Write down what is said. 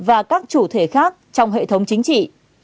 với quân đội nhân dân và các chủ thể khác trong hệ thống chính trị